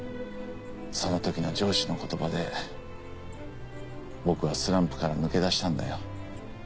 そのときの上司の言葉で僕はスランプから抜け出したんだよ。